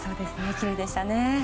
きれいでしたね。